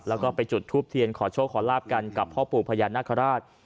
แล้วก็ไปจุดทูปเทียนขอโชคขอลาบกันกับพ่อปู่พญานาคาราช